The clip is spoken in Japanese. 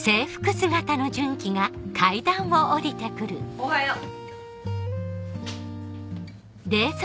おはよう。